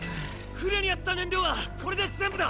船にあった燃料はこれで全部だ！